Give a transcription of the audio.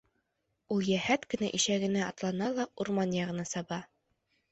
Ул йәһәт кенә ишәгенә атлана ла урман яғына саба.